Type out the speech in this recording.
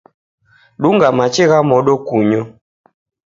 Dunga maji gha modo kunyo.